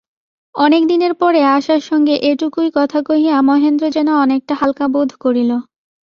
অনেক দিনের পরে আশার সঙ্গে এইটুকু কথা কহিয়া মহেন্দ্র যেন অনেকটা হালকা বোধ করিল।